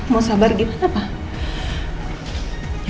mau sabar gimana pak